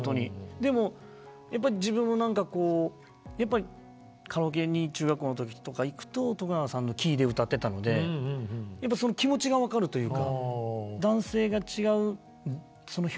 でも自分も何かこうやっぱりカラオケに中学校の時とか行くと永さんのキーで歌ってたのでやっぱその気持ちが分かるというか。